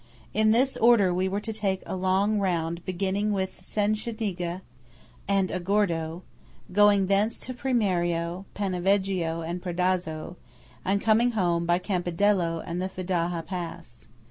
In this order we were to take a long round beginning with Cencenighe and Agordo, going thence to Primiero, Paneveggio and Predazzo, and coming home by Campidello and the Fedaja pass.